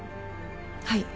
はい。